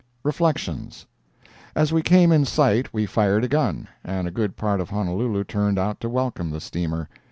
REFLECTIONS As we came in sight we fired a gun, and a good part of Honolulu turned out to welcome the steamer.